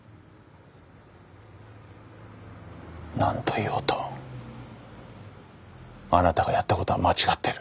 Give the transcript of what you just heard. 何と言おうとあなたがやったことは間違ってる。